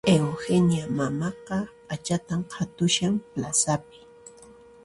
Eugenia mamaqa p'achatan qhatushan plazapi